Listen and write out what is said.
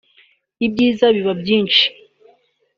ibyiza biba byinshi